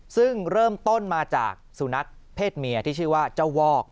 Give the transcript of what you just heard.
ซึ่งเริ่มต้นมาจากสุนัขเพศเมียที่ชื่อว่าเจ้าวอก